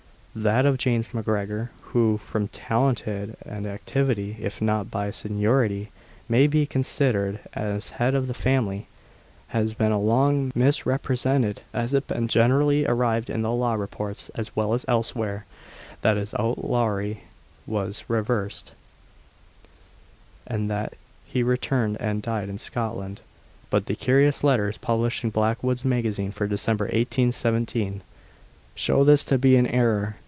That of James MacGregor, who, from talent and activity, if not by seniority, may be considered as head of the family, has been long misrepresented; as it has been generally averred in Law Reports, as well as elsewhere, that his outlawry was reversed, and that he returned and died in Scotland. But the curious letters published in Blackwood's Magazine for December 1817, show this to be an error.